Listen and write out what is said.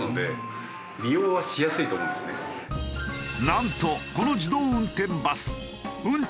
なんとこの自動運転バス